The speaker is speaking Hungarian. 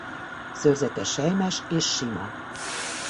Szőrzete selymes és sima.